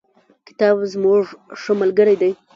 کتاب زموږ ښه ملگری دی.